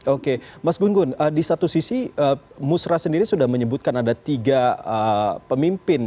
oke mas gun gun di satu sisi musrah sendiri sudah menyebutkan ada tiga pemimpin